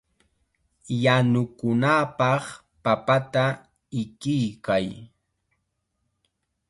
Yanukunapaq papata ikiykay.